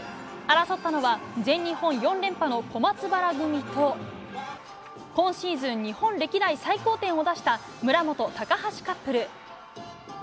争ったのは全日本４連覇の小松原組と今シーズン日本歴代最高点を出した村元、高橋カップル。